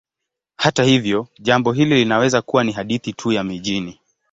Hata hivyo, jambo hili linaweza kuwa ni hadithi tu ya mijini.